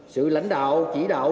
sự lãnh đạo chỉ đạo